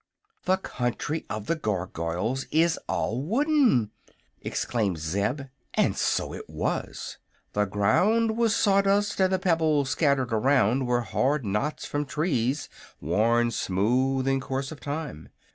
"The Country of the Gargoyles is all wooden!" exclaimed Zeb; and so it was. The ground was sawdust and the pebbles scattered around were hard knots from trees, worn smooth in course of time.